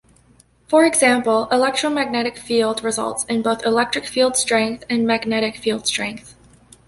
For example, electromagnetic field results in both electric field strength and magnetic field strength.